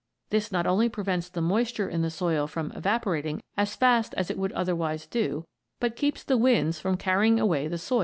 This not only prevents the moisture in the soil from evaporating as fast as it would otherwise do, but keeps the winds from carrying away the soil itself.